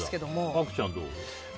角ちゃん、どう？